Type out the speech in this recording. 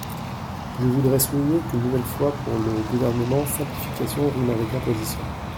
Je voudrais souligner qu’une nouvelle fois, pour le Gouvernement, simplification rime avec imposition.